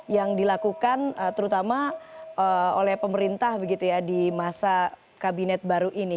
yang dilakukan terutama oleh pemerintah begitu ya di masa kabinet baru ini